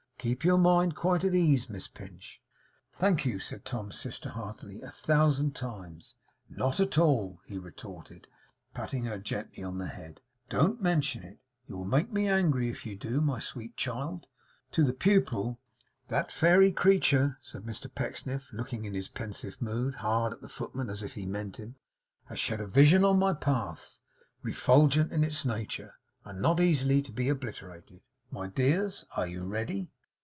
Keep your mind quite at ease, Miss Pinch!' 'Thank you,' said Tom's sister heartily; 'a thousand times.' 'Not at all,' he retorted, patting her gently on the head. 'Don't mention it. You will make me angry if you do. My sweet child' to the pupil 'farewell! That fairy creature,' said Mr Pecksniff, looking in his pensive mood hard at the footman, as if he meant him, 'has shed a vision on my path, refulgent in its nature, and not easily to be obliterated. My dears, are you ready?